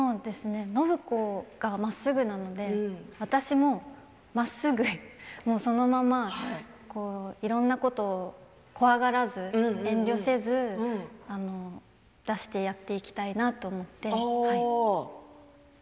暢子がまっすぐなので私もまっすぐ、もうそのままいろいろなことを怖がらず遠慮せず出してやっていきたいなと思って。